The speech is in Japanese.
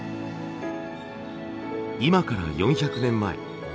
今から４００年前。